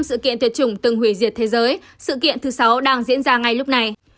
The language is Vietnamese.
sự kiện tuyệt chủng từng hủy diệt thế giới sự kiện thứ sáu đang diễn ra ngay lúc này